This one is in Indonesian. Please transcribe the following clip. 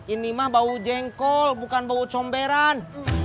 ini mah bau jengkol bukan bau comberan